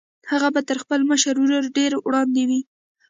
هغه به تر خپل مشر ورور ډېر وړاندې وي